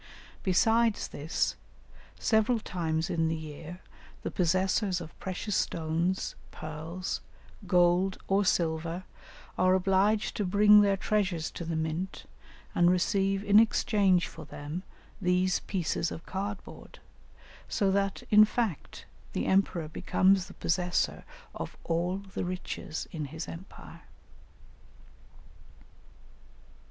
Besides this, several times in the year the possessors of precious stones, pearls, gold, or silver, are obliged to bring their treasures to the mint and receive in exchange for them these pieces of card board, so that, in fact, the emperor becomes the possessor of all the riches in his empire.